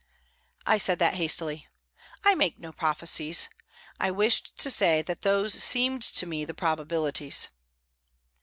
"I said that hastily. I make no prophecies. I wished to say that those seemed to me the probabilities."